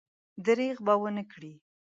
درېغ به ونه کړي.